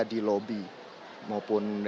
di lobi maupun